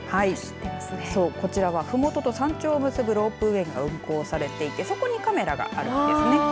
こちらは、ふもとと山頂を結ぶロープウエーが運航されているそこにカメラがあるんですね。